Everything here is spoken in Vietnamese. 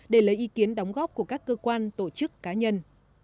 để lấy ý kiến đóng góp của các cơ quan tổ chức cá nhân